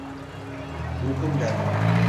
Uykum geldi.